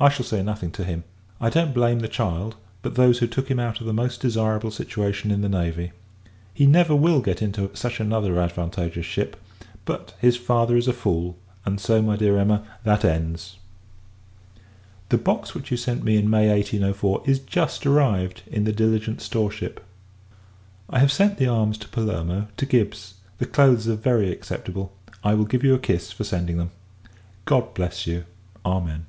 I shall say nothing to him; I don't blame the child, but those who took [him] out of the most desirable situation in the navy. He never will get into such another advantageous ship: but, his father is a fool; and so, my dear Emma, that ends. The box which you sent me in May 1804, is just arrived in the Diligent store ship. I have sent the arms to Palermo, to Gibbs. The clothes are very acceptable; I will give you a kiss, for sending them. God bless you! Amen.